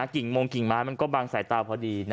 กิ่งมงกิ่งไม้มันก็บางสายตาพอดี